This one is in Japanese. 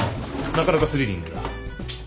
なかなかスリリングだ。